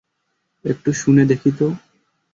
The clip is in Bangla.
একটু শুনে দেখি তো!